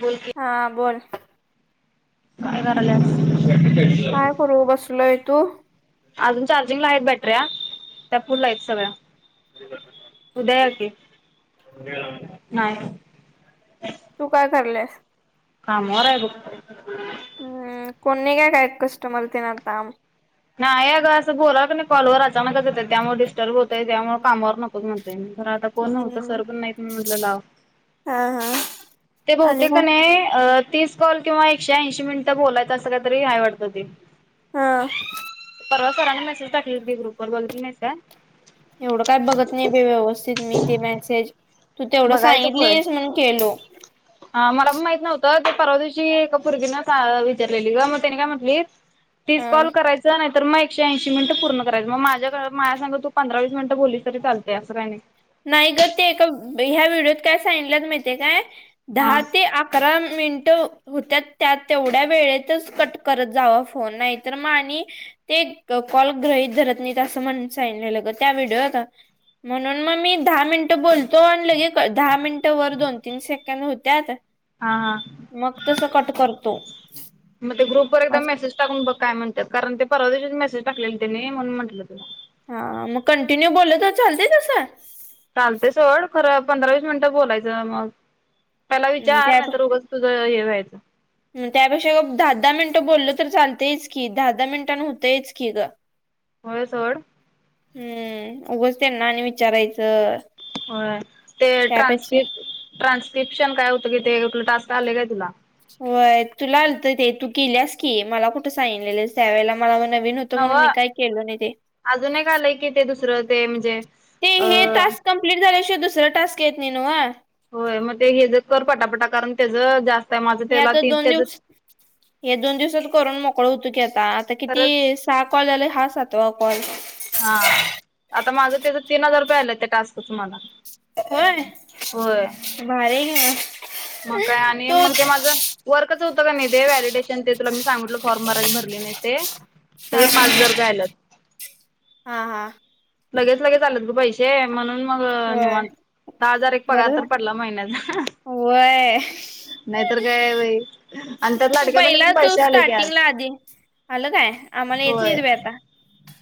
बोल की हां बोल काय कराल्या? काय करु बसलोय. तू? अजून चार्जिंगला आहेत बॅटऱ्या, त्या फूल आहेत सगळ्या. उद्या या कि नाही तू काय करल्या? कामवर बघ हूं कोणी निघत आहे कष्टमर तेन आता आम. नाही आगं असं बोलावं का नाही कॉलवर अचानकचेत त्यामुळे डिस्टर्ब होतंय त्यामुळे कामावर नकोच म्हणतं. त्यांनी तर आता कोण नव्हतं हम्म सर पण नाही मी म्हटलं लाव. हा हा. ते आणि बहुतेक काय कने अ. तीस कॉल किंवा एकशे ऐंशी मिनिटं बोलायचं असं काही तरी हाय वाटतं ते. हं. परवा सरानी मेसेज टाकलेला की ग्रुपवर बघितली नाहीस काय. एवढं काय बघत नाही बई व्यवस्थित मी ते मेसेज. तू तेवढं बघायचं सांगितलीयस म्हणून केलो. हा मला पण माहित नव्हतं ते परवा दिवशी मुलगीनं का विचारलेली गं मग त्याने काय म्हटलीत. तीस हा कॉल करायच. च नाही तर म एकशेऐंशी मिनटं पूर्ण करायचं मग माझ्याकडं माह्या संगं तू पंधरा वीस मिनटं बोलली तरी चालतया असं काही नही. नाही गं ते एका ह्या व्हिडिओत काय सांगतल्यात माहितेय काय हा दहा ते आक करा मिनटं. हो त्यात त्या तेवढ्या वेळेतच कट करत जावा फोन नाही तर मग आणि. ते कॉल ग्रहीत धरत नाही असं म्हण सांगलेलं त्या व्हिडिओत म्हणून. मग मी दहा मिनिटं बोलतो आणि लगे दहा मिनिटं वर दोन तीन सेकंड होत्यात. हा हा मग तसं कट करतो मग ते ग्रुप वर एकदा मेसेज. टाकून बघ काय म्हणतात कारण ते परवादिवशी मेसेज टाकलेले त्याने म्हणून म्हटलं तुला. हा मग कंटिन्यू बोललं त चालतय तसं. चालते सोड खरं पंधरा वीस मिनिटं बोलायचं मग त्याला विचार नाही उगाच. तुझं हे व्हायचं. अं त्यापेक्षा दहा दहा मिनटं बोललं तर चालतंयच की दहा दहा मिनटांंनं होतयच की गं. [inaudible] होय सोड. हम्म उगंच त्यांना आणि विचारायचं. होय ते त्यापेक्षा ट्रान्सक्रिप ट्रान्स्क्रिप्शन काय होतं कि ते कुठलं टास्क आले काय तुला. होय तूला आलत ते तू गेल्यास की मला कुठे सांगलेलंस. त्या वेळेला मला नवीन होतं म्हणून मी नव्ह काय केलो नाही ते. अजून एक आलंय की ते दुसरं ते म्हणजे अ. कम्प्लीट झाल्या शिवाय दुसरा टास्क येत नई नव्ह. होय मग ते हेजच कर पटापटा कारण त्याचं जास्त. आहे माझं हे त्याला आता दोन त्याच दिवस हे दोन दिवसात करून मोकळं होतो की आता आता किती खरंच स. सहा कॉल आलाय हा सातवा कॉल. हा आता माझं त्याच तीन हजार रुपये आल्या त्या टास्कच मला. होय होय भारी आहे की मग. मग काय आणि मग ते माझं. वर्कच होतं का नाही ते व्हॅिडेशन ते तुला मी सांगितलं फॉर्म भरायचं भरली नाही ते. हा त्याचा पाच हजार हा रुपये आला हा लगेच लगेच आलत ग पैसे. म्हणून मग होय निवांत दहा हजार एक बर पगार तर पडला महिन्याचा. होय. नाहीतर काय बई आणि त्यात लाडक्या बहिणीचे पण पैसे आले की आज. कधी. आलं काय आम्हाला येत होय नाहीत बई आता.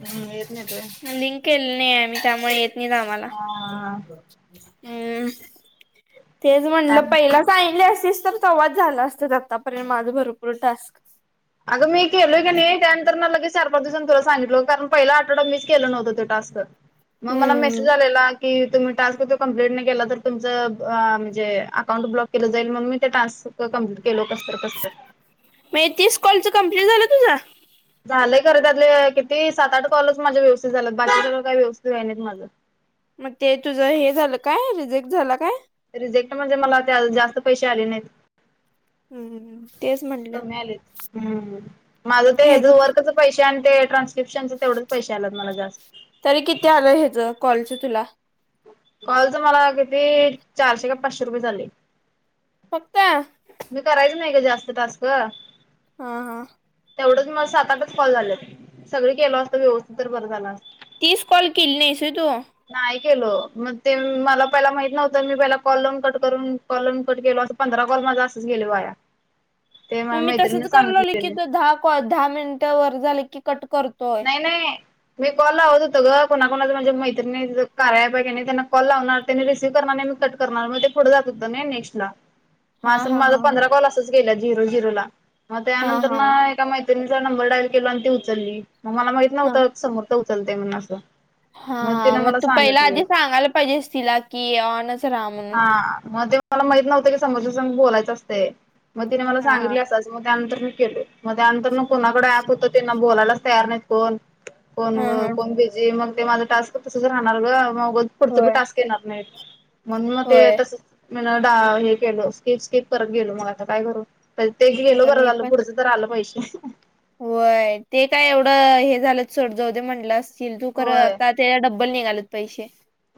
हम्म येत नाहीेत होय. लिंक केले नाही आमी त्यामुळे येत नाही ना आम्हाला. हा हम्म तेच म्हणलं काय पहिलाच. सांगितल असतीस तर तवाच झालं असतं आतापर्यंत माझं भरपूर टास्क. अगं मी केलोय की नाही त्या तर म लगेच चार पाच दिवसात तुला सांगितलं कारण पहिला आठडाीच केला नव्हता तो टास्क. मग मला हम्म मेसेज आलेला कि तुम्ही टास्क तो कंप्लीट नाही केला तर तुमचं म्हणजे अकाउंट ब्लॉक केलं जाईल मग मी ते टास्क कमप्लीट केल कसत कस. म हे तीस कॉलचं कमप्लीट झालं तुझा? झालंय खरे त्यातले किती सात-आठ कॉलच माझे व्यवस्थित झालंत बाकीचे काही व्यवस्थित आहे नाहीत माझं. मग ते तुझं हे झालं काय रिजेक्ट झालं का? रिजेक्ट म्हणजे मला त्या जास्त पैसे आले नाहीत. हम्म. तेच म्हटलं तं मिळालेत, हम्म माझं ते जो ह्याच वर्कच पैसे आणि ते ट्रान्स्क्रिपशनचे तेवढंच पैसे आल्यात मला जास्त. तरी किती आलं हेचं कॉलच तुला? कॉलचे मला किती चारशे का पाचशे रुपये झाले. फक्त मी करायचं नाही ग जास्त टास्क. हा हा. तेवढंच मला सात-आठच कॉल झालेत सगळे केलं असतं व्यवस्थित तर बरं झालं असतं. तीस कॉल केली नाहीस व्हय तू? नाही केलो मग ते मला पहिला माहित नव्हतं, मी पहिला कॉल लावून कट करून कॉल लावून कट केलो अस पंधरा कॉल माझा असंच गेले वाया. [inaudible] ते मग माझ्या मी तसच मैत्रिणीने करा लागलो की सांगितलेले त दहा, दहा मिनिटावर झाले की कट करत. नाही नाही. मी कॉल लावत होतो ग कोणा कणाचं म्हणजे मैत्रिणी कार्या ॲप नाही त्यांना कॉल लावणार त्यांनी रिसीव्ह करणार नाही मी कट करणार मग ते पुढं जातात ना नेक्स्ट ला. [inaudible] म असं माझ हा हा पंधरा कॉल असच गेला झिरो-झिरो ला मग हा त्यानंतर हा ना. मैत्रिणीचा नंबर डायल केलो आणि ती उचलली मग मला माहित हा नव्हतं समोर तर उचलतेय म्हणून असं. हा तिनं मग मला तू पहिला आधी सांगितले सांगायला पाहिजेस तिला की ऑनच राहा म्हण. हा मग ते मला माहित नव्हतं की समज सम बोलायचं असते. मग तिने मला हा हा सांगितले असच मग त्यानंतर मी केल मग त्यानंतर ना कोणाकडे ॲप होतं त्यांना बोलायला तयार नाही. कोण. कोण हा हा कोण बिझी मग ते माझं टास्क तसंच राहणार ग मग पुढचं बी होय टास्क येणार नाही. म्हण मग ते होय तस म हे केलं स्किप-स्किप करत गेलो, मग आता काय करू? ते गेलो आता बरं मी झालं आलं पण पुढचं तर आलं पैसे. होय ते काय एवढं हे झालं सोड जाऊ दे म्हणटलं असतील तू खर होय. आता. त्यजा डब्बल निघालेत पैशे.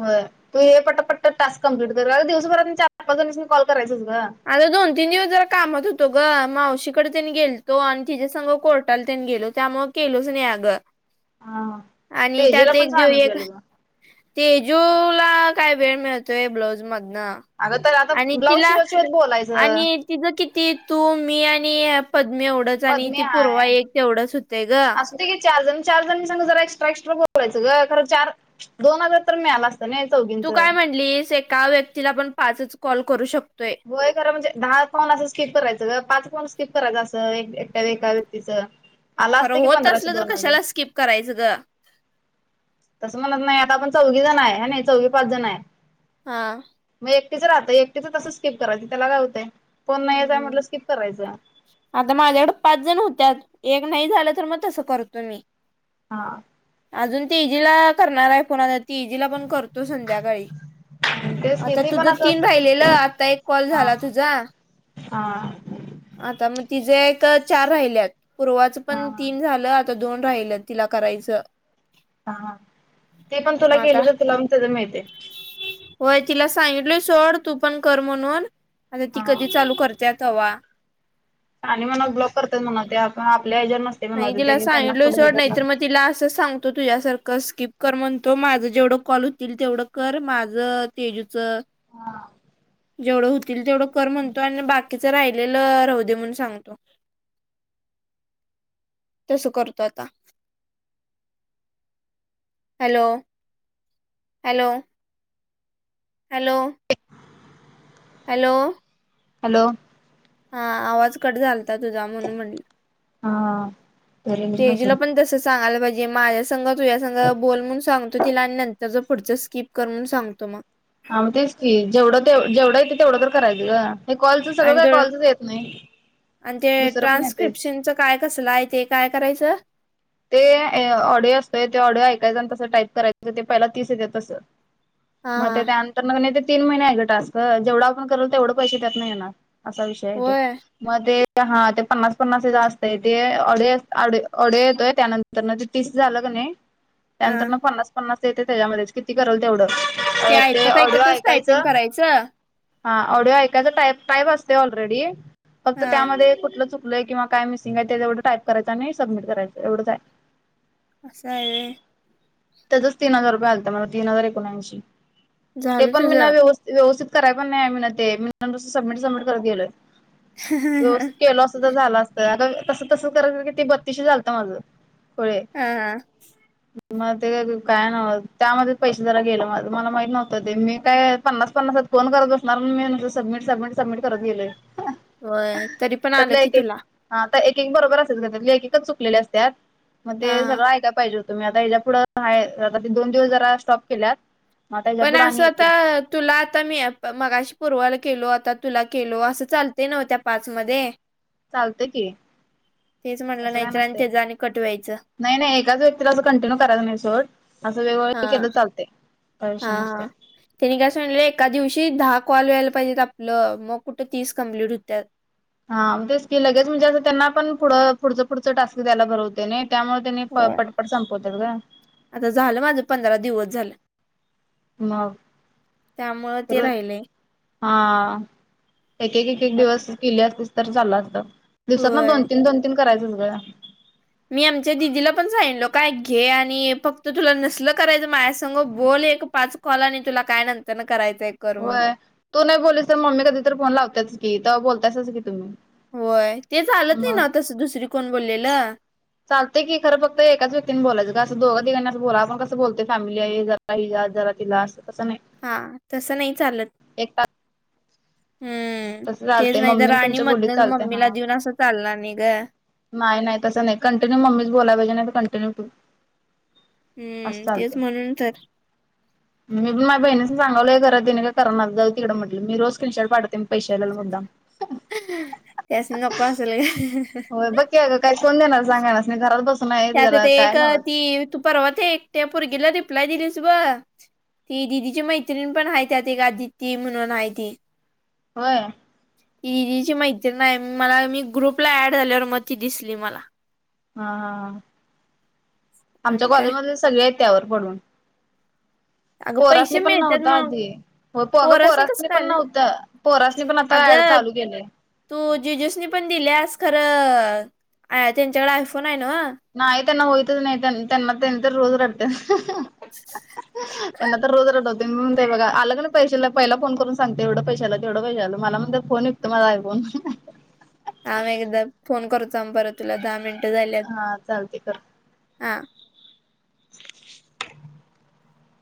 होय तू हे पटपट टास्क कम्प्लीट कर दिवसभरात चार पाच जणाणीस कॉल करायंस गं. आता दोन-तीन दिवस जरा कामात होतो ग मावशीकडे त्यांनी गेलतो आणि तिच्या संघ कोर्टाला त्यांनी गेलो त्यामु केलोच न अग, हा आणि तेजेला त्यात पण एक देव एक. सांगितलेलं ग. तेजू ला काय वेळ मिळतोय ब्लाऊज मधन. अगं तर आता ब्लाऊज शिवा-शिवत बोलायचं. तिथं किती? तू मी आणि पद्मी एवढं. आणि पद्मी ती पूर्वा एक तेवढंच होतंय ग. होते की चारजण चार जण संगं जरा एक्स्ट्राक्ट्रा बोलावायचं ग खरं चार दोन हजार तर मिळालाअसत. [unintelligible] तू काय म्हणलीस एका व्यक्तीला आपण पाचच कॉल करू शकतोय. होय खर म्हणजे दहा फोन असं स्किप करायचं का पाच फोन स्किप करायचं असंट्या एका व्यक्तीच. खरं होत असलं तर कशाला स्किप करायचं ग. तसं म्हणत नाही आता आपण चौघ जण आहे. हा नाही चौवी पाच जण आहे. हा. मग एकटीचं राहतं एकटीचं तसं स्किप करायचं त्याला काय होतंय फोन नाहीचय म्हटलं हम्म स्किप करायचं. आता माझ्याकड पाच जण होत्या एक नाही झालं तर मग तसं करतो. मी हां अजून ते एजीला करणार आहे फोना ती एजीला पण करतो संध्याका तेच आता किती पण तुझं तीन असं भाहिलेलं आता एक कॉल हा झाला तुझा हा आता मग ति जे एक चार राहिलेत पूर्वाचं पण हा. तीन झालं तर दोन राहिल तिला करायचं हा ते पण तुला मग आता केले तर तुला प त्या माहते होय तिला सांगितलंय सोड तू पण कर म्हणून आता ती हा कधी चालू करतेत हवा आणि मग ब्लॉक करत म्हणा त्याण आपल्या ह्याच्या नाही तिला सांगलचोड नाही तर मग तिला असं सांग तो तुझ्यासारखं स्किप कर म्हणतो. माझं जेवढं कॉल होतील तेवढं कर माझं तेजूचं हा जेवढं होतील तेवढं कर म्हणतो आणि बाकीचं राहिलेलं राह दे म्हणून सांगतो तस करतो आता hello hello hello hello hello हां आवाज कट झालता तुझा म्हणून म्हटलं हा रेंज तेजूला नसेल पण तसं सांगयला पाहिजे माझ्या संघा तुझ्या संघा बोल म्हणून सांगतो तिला आणि नंत त्याचं पुढचं स्कीिप कर म्हणून सांगतो मग हग तेच की जेवढं ते जेवढं येते तेवढं तर करायचं ग हे कॉलच सगळं आणि काय ते कॉलच येत नाही आणि ते दुसरं पण येतेच ट्रान्स्क्रिप्शनच काय कसलं आहे. ते काय? करायचं ते ऑडिओ असतोय ते ऑडिओ ऐकायचा आणि तसं टाईप करायचं ते पहिला तीस येते तसं हा मग ते हा त्यानंतर नग ते तीन महिने आहेत ग टास्क जेवढं आपण करल तेवढं पैसे त्यात नाही येणार असा विषय आहे ते होय मध्ये हां ते पन्नास पन्नास जास्त आहे. ते अढ अ अढ येतोय. त्यानंतर न ते तीस झालं ग नाही हा त्यानंतर न पन्नास पन्नास येते त्याच्यामध्ये किती करल तेवढं ते ऐकत ऑडीओ ऐकतच टायपिंग ऐकायचं करायचं हां ऑडिओ ऐकायचं टाईप असते. ऑलरेडी फक्त हा त्यामध्ये कुठलं चुक य किं काय मिसंग आहे तेवढं टईप करायं आणि सबमट करायचंवढं आहे अससां आहे त्याच्याच तीन हजार रुपये आलत मला तीन हजार एकोणऐंशी ते झालं पण मी नाही तुझं व्यवस्थित व्यवस्थित कराय पण नाही मी ना ते मीसं सबमिट सबमिट करत गेलोय व्यवस्ित केल असं तर झाला तर अग तसं तसं करायचं की ते बत्तीशी झालतं माझं पुळे ह मग.. ते काय नव त्यामध्ये पैसे जरा गेलं मला माहत नव्हतं ते मी काय पन्नास पन्नास फोन करत असणार मी सबमि सबमि सबमिट करतं गेलंय होय तरी पण आलं कि एक तुला हा तर एक एक बरोबर असेच घ त्यातले एक एककच चुकलेले असतात मग ते हा हा. सगळं ऐकाय पाहिजे हो तुम्ही आता ह्याच्या पुढं आहे. आ दोन दिवस जरा स्टॉप केल्यात मग आता ह्याच्या पण पुढं आणि असं येतील तर तुला आता मी मगाशी पूर्वाला केलो आता तुला केलो असं चालत नव्ह त्या पाच मध्ये चालत की तेच म्हटलं असं काय नाहीतर आणि नसतंय. त्या आणि क वायच नाही नाही, एकाच व्यक्तीला असं, कंटिन्यू करायच नाही सोड असं हा वेगवेगळं केलं चालते. हा. त्यांनी काय सांगितले. एका दिवशी दहा कॉल व्हायला पाहिजेत, आपलं मग कुठं तीस कम्प्लीट होत्यात. हां, मग तेच की लगेच म्हणजे असं, त्यांना पण पुढं पुढंच पुढचं टास्क द्यायला बर होते. नाही त्यामुळे त्यांनी होय पटपट संपवत्यात गं. आता झालं माझं, पंधरा दिवस झालं. मग त्यामुळं ते परत. राहिलंय हां, एक एक एक आत- दिवस केली, असतीस तर चाल असतं. दिवसात न होय दोन तीन, दोन तीन करायचंच गं. मी आमच्या दिदीला पण सांगलो काय, घे आणि फक्त तुला नसल करायचं, माझ्या संग बोल एक पाच कॉल आणि तुला काय, नंतरन करायचाय. होय, तू नाही बोलीस तर, मम्मी कधी तर फोन लावतेच की, तर बोलतासाच की तुम्ही. होय ते चालंत नाही ना मग तसं, दुसरी कोण बोलेलं. चालते की खरं, फक्त एकाच व्यक्तीनी बोलायचं, काय असं दोघ तिघांनां बोला आपण कस बोलतो फॅमिली आहे. जरा काही आजार आहे, तिला अस‌ तसं नाही. हा, तसं नाही चालत. एकटा हम्म तसं तेच चालतंय नाही तर, मम्मीने आणि तुमच्या बोललीत मधन चालतंय मम्मीला हा देऊन असं चालनार नाही गं. नाही, नाही तस नाही कंटिन्यू मम्मीच बोलाय पाहिजे नाही तर कंटिन्यूू तू. असं हम्म. तेच चालतंय म्हणून तर, माझ्या बहिणीचे चांगला आहे खरं तिनी काय करणार मी रोज स्क्रीन शॉट पाठवते पैसे आलेले मुद्दाम त्यासनी नको असेल गं. होय बघ की अगं, काही कोण देणार सांग हेनासनी घरात बसून आहेत त्यात जरा ते काय एक नव्हच. ती तु, परवा ते एकट्या, पोरगीला रिप्लाय दिलीस बगं. ती दिदीची मैत्रिण पण आहे, त्यात एक आदिती म्हणून आहे ती. होय. ती दीदीची मैत्रीण हाय, मला मी ग्रुपला ऍड झाल्यावर मग ती दिसली मला. हा हा, आमच्या आणि काय कॉलेजमधले, सगळे आहेत त्यावर पडून. अगं पोरांसणी पैसे पण मिळतात नव्हत मग आधी, हो प अगं कसं पोरासनी काय पण आले नव्हतं पोरसनी पण आता अगं चालू केलंय. तू जीजूसनी पण दिल्यास खरं त्यांच्याकडे आयफोन आहे नव? नाही त्यांना होयतच नाही, त्यांना त्यांनी तर रोज रडत्यात. त्यांना तर रोज रडवते म्ह, बघ आलं की पैशेला, पहिला फोन करून सांगतोय. एवढं पैशे आल, तेवढं पैश आल मला म्हणत्यात. फोन विकतो माझा आयफोन. थांब एकदा फोन करतो, थांब परत तुला दहा मिनटं झालेतं. हा चालतंय कर. हा.